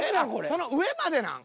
その上までなん？